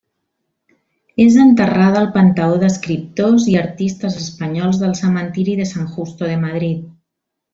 És enterrada al Panteó d'Escriptors i Artistes Espanyols del Cementiri de San Justo de Madrid.